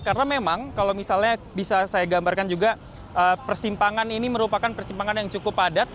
karena memang kalau misalnya bisa saya gambarkan juga persimpangan ini merupakan persimpangan yang cukup padat